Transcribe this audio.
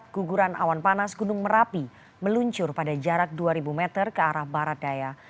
gunung merapi meluncur pada jarak dua ribu meter ke arah baradaya